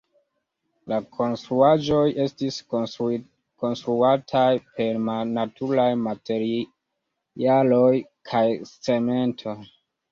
La konstruaĵoj estis konstruataj per naturaj materialoj kaj cemento.